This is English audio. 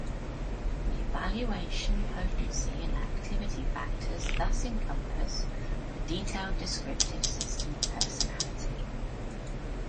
The evaluation, potency and activity factors thus encompass a detailed descriptive system of personality.